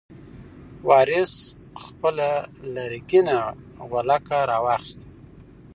وارث خپله لرګینه غولکه راواخیسته.